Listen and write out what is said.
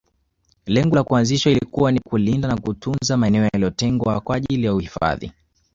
lengo la kuanzishwa ilikuwa ni kulinda na kutunza maeneo yaliotengwa kwa ajili ya uhifadhi